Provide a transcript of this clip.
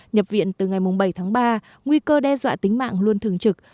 nhập viện từ ngày bảy tháng ba nguy cơ đe dọa tính mạng luôn thường trực